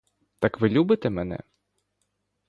Так ви любите мене?